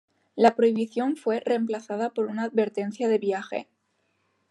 La prohibición fue reemplazada por una advertencia de viaje.